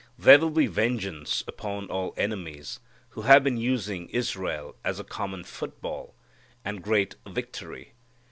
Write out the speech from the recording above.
There will be vengeance upon all enemies, who have been using Israel as a common football, and great victory.